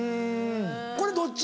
これどっち？